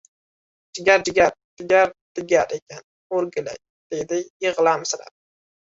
— Jigar-jigar, digar-digar ekan, o‘rgilay, — deydi yig‘lam- sirab.